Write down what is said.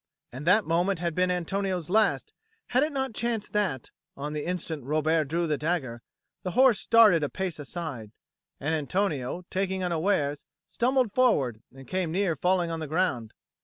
And that moment had been Antonio's last, had it not chanced that, on the instant Robert drew the dagger, the horse started a pace aside, and Antonio, taken unawares, stumbled forward and came near falling on the ground.